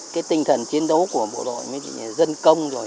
cái tinh thần chiến đấu của bộ đội mới dân công rồi